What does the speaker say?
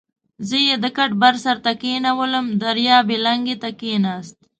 زه یې د کټ بر سر ته کېنولم، دریاب یې لنګې ته کېناست.